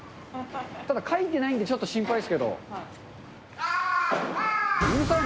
ただ書いてないんでちょっと心配ですけど。